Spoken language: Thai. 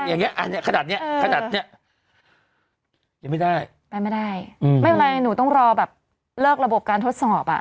อย่างนี้ขนาดนี้ยังไม่ได้ไปไม่ได้ไม่เป็นไรหนูต้องรอแบบเลิกระบบการทดสอบอ่ะ